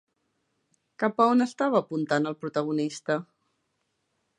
Cap a on estava apuntant el protagonista?